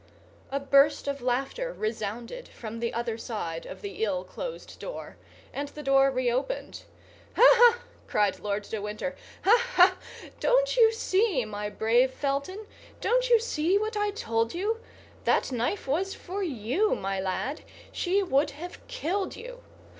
A burst of laughter resounded from the other side of the ill closed door, and the door reopened. "Ha, ha!" cried Lord de Winter; "ha, ha! Don't you see, my brave Felton; don't you see what I told you? That knife was for you, my lad; she would have killed you.